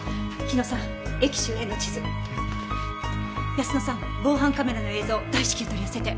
泰乃さん防犯カメラの映像大至急取り寄せて。